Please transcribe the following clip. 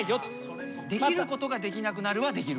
できることができなくなるはできるんだ。